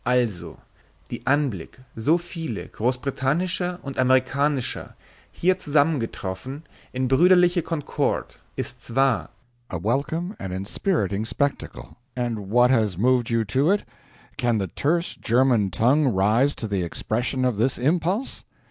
Also! Die Anblich so viele Grossbrittanischer und Amerikanischer hier zusammengetroffen in Bruderliche concord, ist zwar a welcome and inspiriting spectacle. And what has moved you to it? Can the terse German tongue rise to the expression of this impulse?